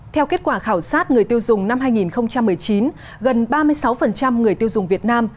theo kết quả khảo sát người tiêu dùng năm hai nghìn một mươi chín gần ba mươi sáu người tiêu dùng việt nam